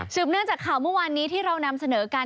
เนื่องจากข่าวเมื่อวานนี้ที่เรานำเสนอกัน